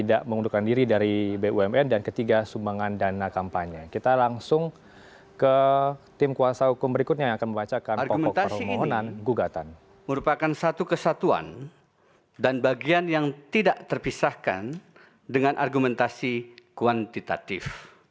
merupakan satu kesatuan dan bagian yang tidak terpisahkan dengan argumentasi kuantitatif